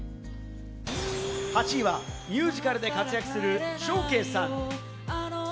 ８位はミュージカルで活躍するショウケイさん。